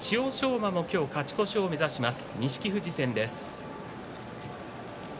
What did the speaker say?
馬も今日勝ち越しを目指します。